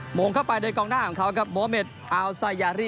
โหมงเข้าไปโดยกองหน้ามันเขาบระเบียร์อาวทรายยาริ